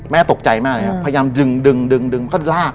แม่ตกใจมากเลยฮะอืมพยายามดึงดึงดึงดึงก็ลาก